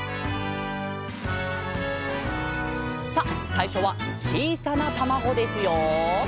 さっさいしょはちいさなたまごですよ。